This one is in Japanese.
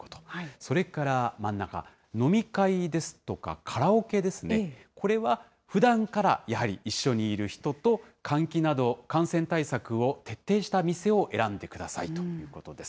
それから真ん中、飲み会ですとかカラオケですね、これはふだんから、やはり一緒にいる人と、換気など、感染対策を徹底した店を選んでくださいということです。